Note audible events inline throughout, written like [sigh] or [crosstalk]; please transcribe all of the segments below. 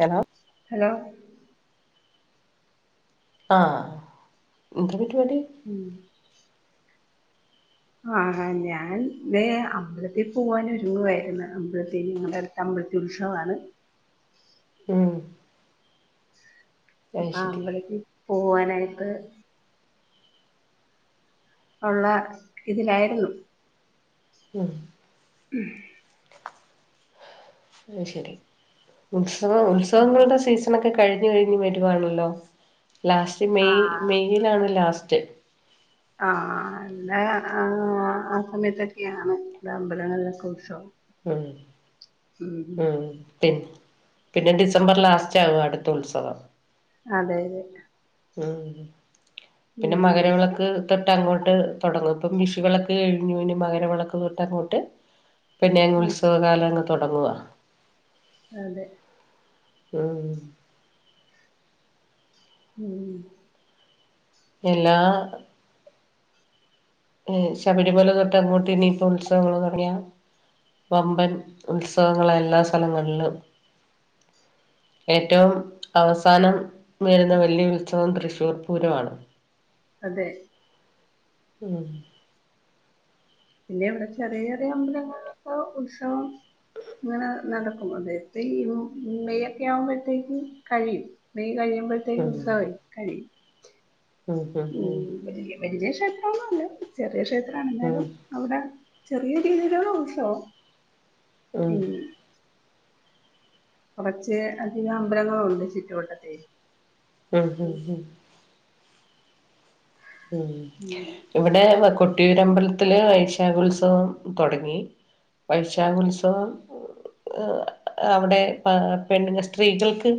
Hello hello ആ എന്ത്? ഉം ആഹ ഞാൻ ദേ അമ്പലത്തിൽ പോകാൻ ഒരുങ്ങുവായിരുന്നു. അമ്പലത്തിൽ ഞങ്ങടെ അടുത്ത അമ്പ ലത്തിൽ ഉത്സവമാണ്. ഉം അത് അപ്പൊ ശരി അമ്പലത്തിൽ പോവാനായിട്ട് ഉള്ള ഇതിലായിരുന്നു. മ് മ് അതു ശരി ഉത്സവ ഉത്സവങ്ങളുടെ സീസണോക്കെ കഴിഞ്ഞു കഴിഞ്ഞ് വരുവാണല്ലോ ലാസ്റ്റ് മെയ് മെയിലാണ് ലാസ്റ്റ് ആഹ് എല്ല ആഹ് ആഹ് സമയത്തൊക്കെയാണ് ഇവിടേ അമ്പലങ്ങളിലൊക്കെ ഉത്സവം മ് ഉം ഉം മ് പിന്നെ പിന്നെ ഡിസംബർ ലാസ്റ്റ് ആകും അടുത്ത ഉത്സവം അതെ അതെ മ് പിന്നെ ഉം മകരവിളക്ക് തൊട്ട് അങ്ങോട്ട് തുടങ്ങും ഇപ്പം വിഷുവിളക്ക് കഴിഞ്ഞു ഇനി മകരവിളക്ക് തൊട്ട് അങ്ങോട്ട് പിന്നെ അങ്ങ് ഉം, ഉത്സവകാലം അങ്ങ് തുടങ്ങുവ അതെ മ് ഉമ് എല്ലാ ഏഹ് ശബരിമല തൊട്ട് അങ്ങോട്ട് ഇനിയിപ്പൊ ഉത്സവങ്ങൾ തുടങ്ങിയ വമ്പന് ഉത്സവങ്ങള എല്ലാ സ്ഥലങ്ങളിലും ഏറ്റവും അവസാനം വരുന്ന വലിയ ഉത്സവം തൃശ്ശൂർ പൂരമാണ് അതെ ഉം പിന്നെ ഇവിടെ ചെറിയ ചെറിയ അമ്പലങ്ങളിലൊക്കെ ഉത്സവം അങ്ങനെ നടക്കും അതെ [unintelligible] മെയ് ഒക്കെ ആവുമ്പോഴത്തേക്കും കഴിയും മെയ് കഴിയും ഉം ഉത്സവം കഴിയും ഉം ഉം വല്യ [unintelligible] ക്ഷേത്രന്നുവല്ല ചെറിയ ക്ഷേത്രമാണ് ഉം ഉം എന്നാലും അവിടെ ചെറിയ രീതിയിലാണ് ഉത്സവം ഉ മ് ഉം കുറച്ച് അധിക അമ്പലങ്ങളുണ്ട് ചുറ്റുവട്ടത്ത് മ് മ് മ് ഉമ് ഇവിടെ കൊട്ടിയൂർ അമ്പലത്തിൽ വൈശാഖ ഉത്സവം തുടങ്ങി വൈശാഖ ഉത്സവം അവിടെ പ പെണ് സ്ത്രീകൾക്ക്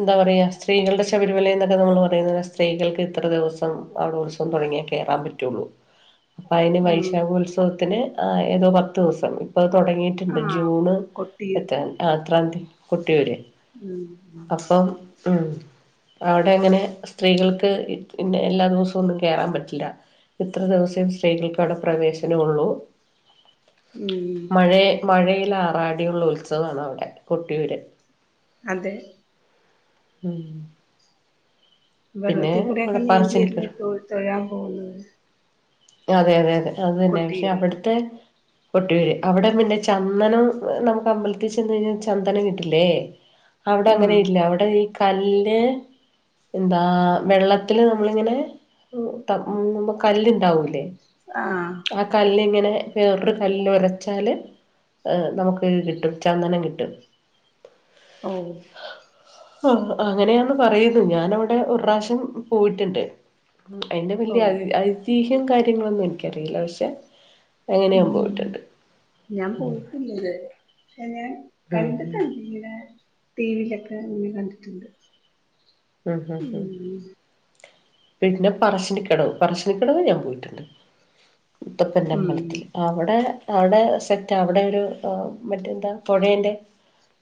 എന്താ പറയാ സ്ത്രീകളുടെ ശബരിമല എന്നൊക്കെ നമ്മൾ പറയുന്ന സ്ത്രീകൾക്ക് ഇത്ര ദിവസം സം അവിടെ ഉത്സവം തുടങ്ങിയ കേയറാൻ പറ്റുള്ളൂ അപ്പൊ അതിന് ഉം വൈശാഖ ഉത്സവത്തിന് ആഹ് ഏതോ പത്ത് ദിവസം ഇപ്പൊ ആ തുടങ്ങിയിട്ടുണ്ട് ജൂണ് കൊട്ടി എത്ര എത്ര ന്തി യൂര് ഉം ഉം അപ്പം അവിടെ അങ്ങനെ സ്ത്രീകൾക്ക് പിന്നെ എല്ലാ ദിവസവും ഒന്നും കേയറാൻ പറ്റില്ല ഇത്ര ദിവസേം സ്ത്രീകൾക്ക് അവിടെ പ്രവേശനം ഉള്ളു ഉം. [unintelligible] മഴ മഴയിലാറാടിയുള്ള ഉത്സവാണ് അവിടെ കൊട്ടിയൂര് അതെ ഉം പിന്നെ വെള്ളത്തിൽക്കൂടെൊക്കെ ഇവിടെ നീന്തിയല്ലേ പറശ്ശിനിക്കടവ് തൊഴ തൊഴാൻ പോകുന്നത് അതെ അതെ അതെ അത് തന്നെ പക്ഷെ കൊട്ടിയൂര് അവിടുത്തെ കൊട്ടിയൂർ അവിടെ പിന്നെ ചന്ദനം നമുക്ക് അമ്പലത്തിൽ ചെന്ന് കഴിഞ്ഞാൽ ചന്ദനം കിട്ടില്ലേ അവിടെ അങ്ങനെ ഉം ഇല്ല അവിടെ ഈ കല്ല് എന്താ വെള്ളത്തില് നമ്മളിങ്ങനെ മുങ്ങുബോ കല്ലുണ്ടാവില്ലേ ആ ആഹ് കല്ലിങ്ങനെ വേറൊരു കല്ലിൽ ഒരച്ചാല് ഏഹ് നമുക്ക് ഇത് കിട്ടും ചന്ദനം കിട്ടും ഓ ആ അങ്ങനെയാന്ന് പറയുന്നു ഞാനവിടെ ഒരുാവശ്യം പോയിട്ടുണ്ട്. അതിന്റെ വലിയ ഓ ഐതിഹ്യം കാര്യങ്ങളൊന്നും എനിക്കറിയില്ല പക്ഷെ- അങ്ങനെയാൻ ഉം പോയിട്ടുണ്ട് ഞാൻ പോയിട്ടില്ലത് പക്ഷെൻ ഉം ഉം കണ്ടിട്ടണ്ട് ഇങ്ങനെ ടി വിയിലൊക്കെ ഇ കണ്ടിട്ടുണ്ട് ഉം ഉം. പിന്നെ പറശ്ശിനിക്കിടവ് പറശ്ശിനിക്കിടവ ഞാൻ പോയിട്ടുണ്ട്. ഉം മുത്തപ്പറ്റമ്പലത്തിൽ അവിടെ. അവിടെ സെറ്റ് അവിടെ ഒരു മറ്റന്താ പുഴേറെ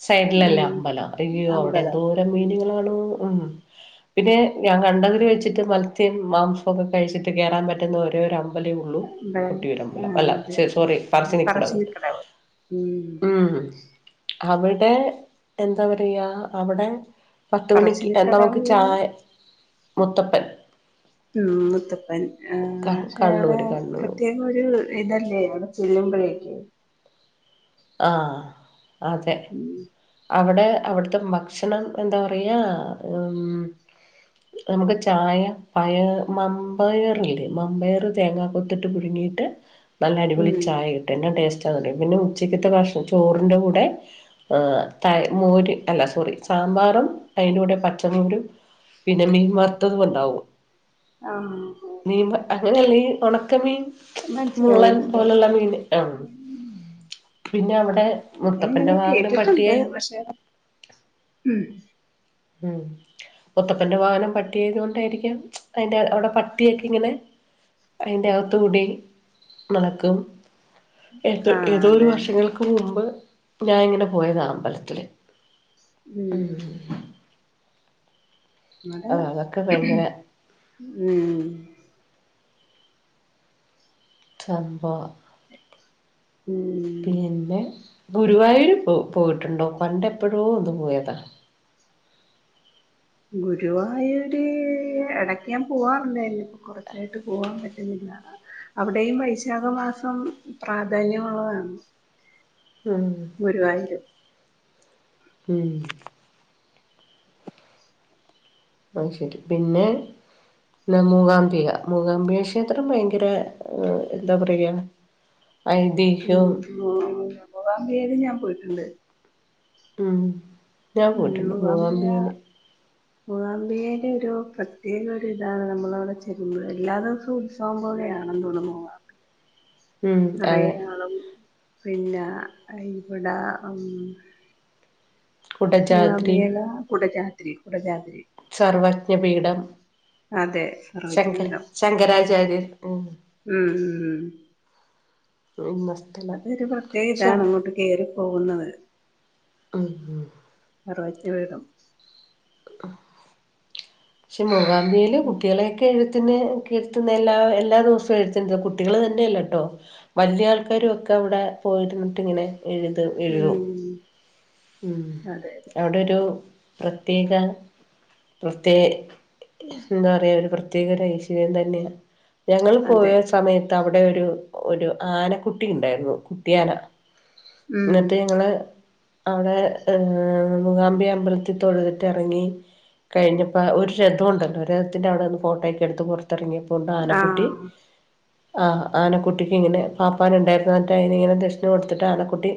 സൈഡിലല്ലേ ഉം അമ്പലം അറിയോ അവിടെ അമ്പലം എന്തൂരം ഉം മീനുകളണോ ഉ പിന്നെ ഞാൻ കണ്ടതിൽ വെച്ചിട്ട് മത്സമാംസം ഒക്കെ കഴിച്ചിട്ട് കേയറൻ പറ്റുന്ന ഓരോര അമ്മ- അമ്പലേ ഉള്ളൂ അമ്പലം ആ കൊട്ടരമ്പലം അല്ല അതെ സോറി പറശിനിക്കടവ് പറശ്ശിനിക്കടവ് ഉം അവിടെ എന്താ പറയുക അവിടെ പത്ത മണിക്ക്- നമു പറശ്ശിനിക്കടവ് ചായ മുത്തപ്പൻ ഉം മുത്തപ്പൻ. ആ ക പക്ഷെ അവിടെ കണ്ണൂര് കണ്ണൂര് പ്രത്യേകം ഒരു ഇതല്ലേ അവിടെ ചെല്ലുമ്പഴൊക്ക്. ആഅതെ ഉം അവിടെ അവിടുത്തെ ഭക്ഷണം എന്താ പറയാ ഉം. നമുക്ക് ചായ പയ മമ്പയറല്ലേ മമ്പയർ തേങ്ങാ കൊത്തിട്ട് പുഴുങ്ങി നല്ലടിപൊള ഉം ചായ കിട്ട് എന്നാ ടേസ്റ്റ് പിന്നെ ഉച്ചിക്ക ഭണം ചോറിന്റെ കൂടെ ത മോരി അല്ല സോറി സാമ്പാറും അതിന്റെ കൂടെ പച്ചമമോരും പിന്നെ മീൻമറുത്തതും ഉണ്ടാവും ആ മീൻ അങ്ങനെയല്ലേ ഈ ഉണക്കമീൻ. മനസ്സിലായി മുള്ളൻ മനസ്സിലായി പോലുള്ള മീൻ ആ പിന്നെ അവിടെ ഇ മുത്തപ്പന്റെ ഇങ്ങനെ വാഹനം കേട്ടിട്ടുണ്ട് പട്ടിയായി പക്ഷെ ഉം ഉം മുത്തപ്പന്റെ വാഹനം പട്ടിയായത കൊണ്ടായിരിക്കാം അതിറെ അവിടെ പട്ടിയൊക്കെ ഇങ്ങനെ അതിന്റെ അകത്ത കൂടി നടക്കും ഏത ആഹ് ഏതോ ഒരു അതെ വർഷങ്ങൾക്ക് മുമ്പ് ഞാന ഇങ്ങനെ പോയത് അമ്പലത്തില് ഉം നടെ ആ അതൊക്കെ ഭയങ്കര ഉം സംഭവമാ ഉം ഗുരുവായൂർ പോ പോയിട്ടുണ്ടോ പണ്ട് എപ്പോഴോ ഒന്ന് പോയതാ ഗുരുവായൂർ ഇടയ്ക്ക് ഞാൻ പോവാറുല്ലായിരുന്നു ഇപ്പ കുറച്ചായിട്ട് പോകൻ പറ്റുന്നില്ല അവിടെയും വൈശാഖ മാസം പ്രാധാന്യമുള്ളതാണ് ഉ ഗുരുവായിരം ഉം അ ശരി പിന്നെ. പി മൂകാംബിയ മൂകാംബിക ക്ഷേത്രം ഭയങ്കര എന്താ പറയുക. ഉ ഐതിഹ്യവും മൂകാംമ്പിയ ഞാൻ പോയിട്ടുണ്ട്. ഉം ഞാൻ ഉ പോയിട്ടുണ്ട് മുഖാംബ മൂകാംബികയില് മുഗംബയെ അ ഒരു പ്രത്യേക ഒരു ഇതാണ് നമ്മൾ അവിടെ ചെല്ലുമ്പോൾ എല്ലാ ദിവസവും ഉത്സവം പോകയാണെന്ന് തൊണ പോകാം ഉ നറയ ആള പിന്നെ ഇവിടെ കുടജാദ്രി മുഗംബിയലേ കുട ജാത്രി കുട ജാത്രി സർവജ്ഞപീഠം അതെ ശങ്കര സർവജ്ഞപീഠം ശങ്കരാചാര്യർ ഉം ഉം. എന്ന സ്ഥലം അതൊരു പ്രത്യേക പക്ഷെ ഇതാണ് ഉം അങ്ങോട്ട് കേറിപ്പോകുന്നത് ഉം സർവകജ്ഞ പീഠം പക്ഷെ മൂകാംബിയില് ഉം. കുട്ടികളെയൊക്കെ എഴു കുന്നഇരുത്തുന്ന എല്ലാ എല്ലാ ദിവസവും എഴുത്തിനിര്ത്തും കുട്ടികൾ തന്നെയല്ല കേട്ടോ വലിയ ആൾക്കാരുംക്കെ അവിടെ പോയിരുന്നിട്ട് ഇങ്ങനെ എഴുത് എഴുതും ഉം. ഉ അതെ അവിടെ ഒരു പ്രത്യേക പ്രത്യേ എന്താ പറയാ ഒരു പ്രത്യേക ഒരു ഐശ്വര്യം തന്നെയ ഞങ്ങള് പോയ അതെ സമയത്ത് അവിടെ ഒരു ഒരു ആന കുട്ടി ഉണ്ടായിരുന്നു കുട്ടി ആന ഉം എന്നിട്ട് ഞങ്ങള് അവിടെ മൂകാമ്പിക അമ്പലത്തിൽ തൊഴുതിട്ട് ഇറങ്ങി കഴിഞ്ഞപ്പോ ഒരു രഥം ഉണ്ടല്ലോ ഒരു രഥത്തിന്റെ അവിടെ നിന്ന് ഫോട്ടോ ഒക്കെ എടുത്ത് ത്തിറങ്ങിയപ്പോണ്ട് ആ ആനക്കുട്ടി ആ ആനക്കുട്ടിക്ക് ഇങ്ങനെ പാപ്പാന ഉണ്ടായിരുന്ന എന്നിട്ട അയിനി ഇങ്ങനെ ദക്ഷിണ കൊടുത്തിട്ട് ആന കുട്ടി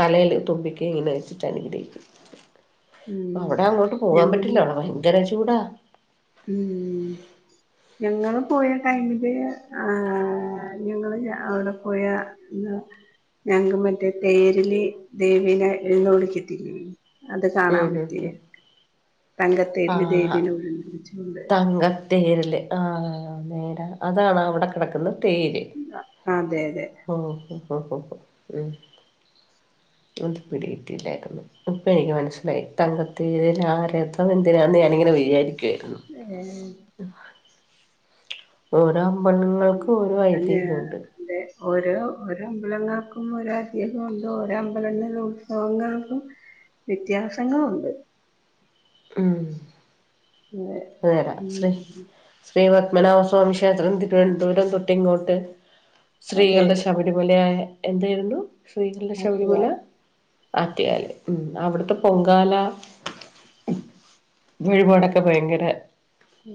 തലേൽ തുമ്പിക്കൈ ഇങ്ങനെ വച്ചിട്ട് അനുഗ്രഹിക്കും ഉം അവിടെ അങ്ങോട്ട് പോവാൻ പറ്റില്ല ഞങ്ങ അവിടെ ഭയങ്കര ചൂടാ ഉം ഞങ്ങള് പോയ ടൈമില് ആ ഞങ്ങള് അവിടെ പോയ ഞങ്ങക്ക് മറ്റേ തേരില് ദേവീനെ എഴുന്നളിക്കത്തില്ലെ അത് ഉം കാണാൻ ഉം പറ്റിയ ഉം തങ്കത്തേരില് ദേവീന ഉഴുന്ന തങ്കത്തേരില് ആ നേരാ അതാണ് അവിടെ കിടക്കുന്നത് തേര് അതെ അതെ ഉ അത് പിടികിട്ടില്ലായിരുന്നു ഇപ്പ എനിക്ക് മനസിലായി തങ്കതേര് ആരഥം എന്തിനാെന്ന് ഞനിങ്ങനെ വിചാരിക്കുവാരുന്നു ഉ ഓരോ അമ്പലങ്ങൾക്ക് ഓരോ അതെ ഐതിഹം ഉണ്ട് അതെ ഓരോ ഓരോ അമ്പലങ്ങൾക്കും ഓരോ ഐദീഹം ഉണ്ട് ഓരോ അമ്പലങ്ങളിലെ ഉത്സവങ്ങൾക്കും വ്യത്യാസങ്ങളുണ്ട് ഉം അതെ അതരാ ശ്രീ ഉം ശ്രീ പത്മനാഭസ്വാമി ക്ഷേത്രം തിരുവനന്തപുരം തൊട്ടിങ്ങോട്ട് അതെ സ്ത്രീകളുടെ ശബരിമലയായ എന്തായിരുന്നു സ്ത്രീകളുടെ ശബരിമല ആറ്റുകാൽ ആറ്റ്കാല് ഉ അവിടത്തെ പൊങ്കാല വഴിപാടൊക്കെ ഭയങ്കര ഉ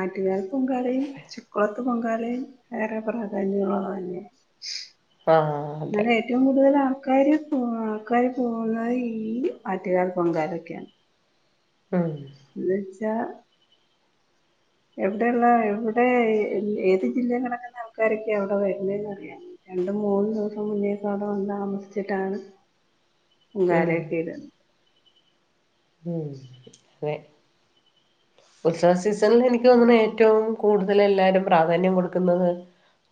ആറ്റ്കാൽ പൊങ്കലയും ചക്കുള ത്ത പൊങ്കാലയും ഏറെ പ്രാധാന്യം ഉള്ള ആഹ് അതെ തന്നെയ ഏറ്റവും കൂടുതലാള് കാര് പോ കാര് പോകുന്നത് ഈ ആറ്റ്കാൽ പൊങ്കാലക്കാണ് ആ [unintelligible] എവിടെള്ള എവിടെ ഏത് ജില്ല കിടക്കുന്ന ആൾക്കാരൊക്കെയ അവിടെ വരുന്നന്ന് അറിയാം രണ്ടും മൂന്ന് ദിവസം മുന്നേ അവിടെ വന്ന് താമസിച്ചിട്ടാണ് [inaudible] ഉം പൊങ്കാലഒക്കെ ഇടുന്നെ ഉം അതെ ഉത്സവ സീസണിൽ എനിക്ക് തോന്നണ് ഏറ്റവും കൂടുതൽ എല്ലാരും പ്രാധാന്യം കൊടുക്കുന്നത്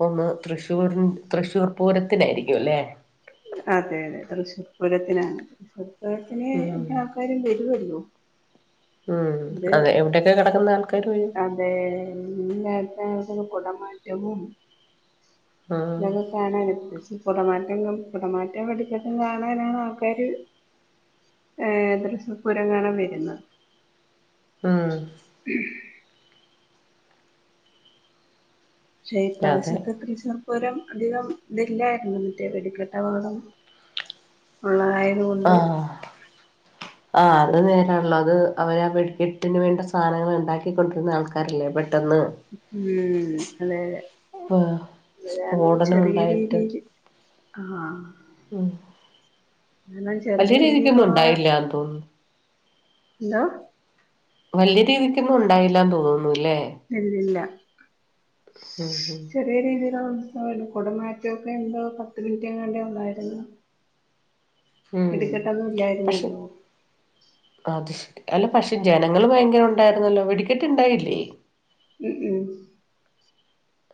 ഒന്ന് തൃശ്ശൂർ തൃശ്ശൂർ പൂരത്തിനായിരിക്കും അല്ലേ അതെ അതെ തൃശൂർപുരത്തിനാണ് തൃശ്ശൂർപുരത്തിന് ഉം എല്ലാ ആൾക്കാരും വരുവല്ലിയോ ഉം അത് അതെ എവിടെയൊക്കെ കിടക്കുന്ന ആൾക്കാര് വരും അതെന്തക്കാ കുട മാറ്റവും ഉം ഇതൊക്കെ കാണാൻ ഉദ്ദേശിച്ചത് കുടമാറ്റങ്ങൾ കുടമാറ്റവും വെടിക്കെട്ടും കാണാനാണ് ആൾക്കാര് ഏ തൃശൂർപ്പൂരം കാണാൻ വരുന്നത് ഉം പക്ഷേ ഈ അതെ പ്രാവശ്യത്തെ തൃശൂർ പൂരം അധികം ഇതില്ലായിരുന്നു മറ്റേ വെടിക്കെട്ട് അപകടം ഉള്ളതായ ത് കൊണ്ട് ആ അത് നേരാല്ലോ അത് അവര് വെടിക്കെട്ടിന് വേണ്ട സാനങ്ങൾ ഉണ്ടാക്കിക്കൊണ്ടരുന്ന ആൾക്കാരല്ലേ ബ് ഉം അതെ അത് കാരണം സ്ഫോടനം ചെറിയ ഉണ്ടായിട്ട് രീതിയില് ആഹ് ഉം എല്ലാം ചെറിയ വലിയ രീതിക്കൊന്നും രീതിയിലുള്ള ഉണ്ടായില്ലാന്ന് തോന്നുന്നു എന്താ വലിയ രീതിക്കൊന്നും ഉണ്ടായില്ലാന്ന്‌ തോന്നുന്നു ഇല്ലില്ല മ് മ് റ്റം കുട മാറ്റൊക്കെ എന്തോ പത്ത് മിനിറ്റ് എങ്ങാണ്ടെ ഉണ്ടായിരുന്നൊള്ളൂ ഉം ടിക്കെട്ടൊന്നും പക്ഷെ ഇല്ലായിരുന്നല്ലോ അത് ശരി അല്ല പക്ഷെ ജനങ്ങള് ഭയങ്കര ഉണ്ടായിരുന്നല്ലോ വെടിക്കട്ട് ഇണ്ടായില്ലേ ഉം ഉം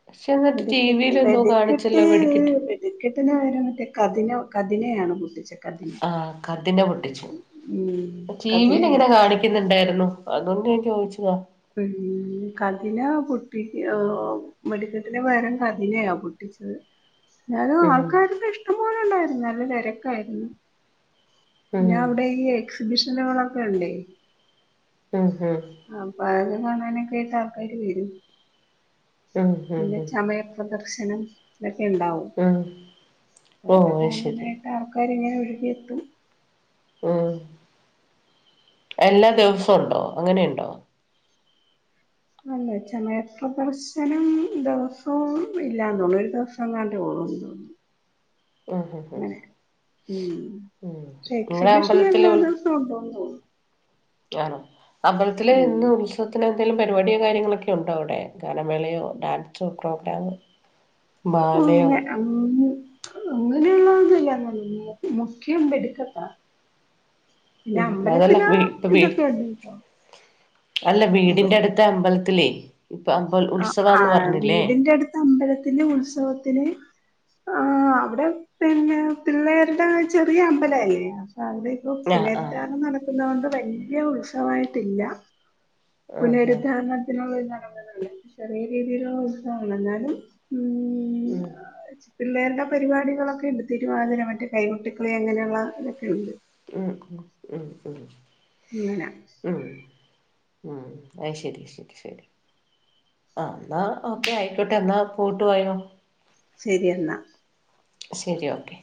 പക്ഷെ എന്നിട്ട് വെടി ടി ക്കെട്ട് വിൽ എന്തോ വെടിക്കെട്ട് കാണിച്ചല്ലോ വെടിക്കെട്ട് വെടിക്കിട്ടിന് പകരം മറ്റേ കഥി പിന്നെ കതിനെയയാണ് പൊട്ടിച്ചേ ആ കഥിന പൊട്ടിച്ചു ഉം ടിവിൽ കതിനയാ അങ്ങനെ പൊട്ടിച്ചത് കാണിക്കുന്നുണ്ടായിരുന്നു അതുകൊണ്ട് ഞാൻ ചോദിച്ചതാ പിന്ന് കതിനാ വെടിക്കെട്ടിന് പകരം കതിനയാ പൊട്ടി ച്ചേ ന്നാലും ഉം ആൾക്കാരൊ ക്കെ ഇഷ്ടം പോലെണ്ടായിരുന്നു നല്ല തിരക്കായിരുന്നു ഉം പിന്നെ അവിടെ ഈ എക്സിബിഷനുകളൊക്കെ ഉണ്ടേ ഉം ഹും അപ്പൊ കാണാനൊക്കെ ആയിട്ട് ആൾക്കാര് വരും ഉം ഉം പിന്നെ ഉം ചമയപ്രദർ ശനം ഇതൊക്കെ ഇണ്ടാവും ഉം ഓ ഇതൊക്കെ അത് ശരി കാണാനായിട്ട് ആൾക്കാരിങ്ങനെ വിടെത്തും ഉം എല്ലാ ദിവസം ഉണ്ടോ അങ്ങനെ ഇണ്ടോ അല്ല ചമയപ്രദർശനം ദിവസവും ഇല്ലാന്ന് തോന്നുന്നു ഒരു ദിവസം എങ്ങാണ്ടൊള്ളൂന്നു തോന്നുന്നു മ് ഹ് ഹ് അങ്ങനെ ഉം പക്ഷേ എക്സിബിഷൻ എല്ലാ അമ്പലത്തില് ദിവസവും ഉണ്ടെന്ന് തോന്നുന്നു ആണോ അമ്പലത്തില് ഇന്ന് ഉം ഉത്സവത്തിന് എന്തേലും പരിപാടിയോ കാര്യങ്ങളൊക്കെ ഉണ്ടോ അവിടെ ഗാനമേളയോ ഡാൻസോ പ്രോഗ്രാമോ ബാലയോ [unintelligible] അങ്ങനെയൊന്നും ചെയ്യാൻ കഴിയില്ല ള്ളന്നല്ല മുക്ക്യം വെടിക്കെട്ടാ പിന്നെ ഉം അതല്ല അമ്പലത്തില് വീ ഇപ്പ വീ ഇതൊക്കെ ഉണ്ട് ട്ടൊ അല്ല വീടിന്റെ അടുത്തെ അമ്പലത്തിലേ ഇപ്പൊ അമ്പ ആ ഉത്സവാന്ന് പറഞ്ഞില്ലേ വീടിന്റെ അടുത്ത അമ്പലത്തിന്റെ ഉത്സവത്തിന് ആ അവിടെ പിന്നെ പിള്ളേരുടെ ചെറിയ അമ്പല അല്ലേ അവടെക്കെ ആഹ് ആഹ് പുലർദാനം നടക്കുന്ന കൊണ്ട് വല്യ ഉത്സവായിട്ടില്ല ആഹ് ആഹ് പുനരുദ്ധാരണത്തിനുള്ള നട [unintelligible] ചെറിയ രീതിയിലുള്ള ഉസവമാണ് ന്നാലും ഉം പിള്ളേരുടെ പരിപാടികളൊക്കെ ഉണ്ട് തിരുവാതിര മറ്റേ കൈകൊട്ടിക്കളി അങ്ങനെയുള്ള ഇതൊക്കെ ഉണ്ട് ഉ ഉം ഉ അങ്ങനെ ഉം അ ശരി ശരി ശരി ആ എന്നാ ഓക്കെ ആയിക്കോട്ടെ എന്നാൽ പോയിട്ട് വായോ ശരിയെന്നാ. ശരി ഓക്കെ.